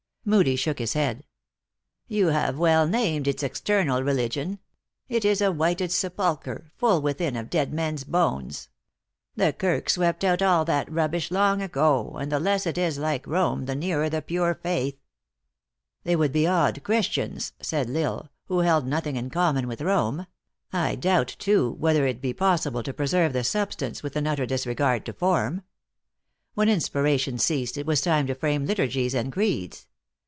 Moodie shook his head. " You have well named its external \religion. It is a whited sepulchre, full within of dead men s bones. The Kirk swept out all that rubbish long ago, and the less it is like Rome the nearer the pure faith." " They would be odd Christians," said L lsle, " who held nothing in common with Rome. I doubt, too, whether it be possible to preserve the substance with an utter disregard to form. When inspiration ceased, it was time to frame liturgies and creeds.